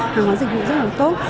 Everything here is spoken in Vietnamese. hàng hóa dịch vụ rất là tốt